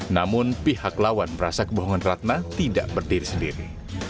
namun pihak lawan merasa kebohongan ratna tidak berdiri sendiri